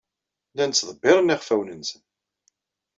Llan ttḍebbiren iɣfawen-nsen.